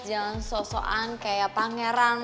jangan sosokan kayak pangeran